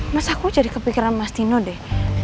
mas aku jadi kepikiran mas dino deh